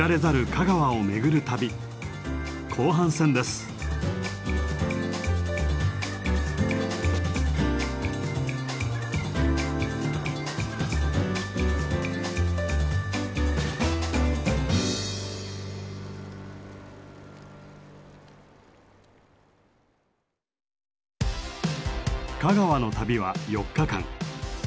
香川の旅は４日間。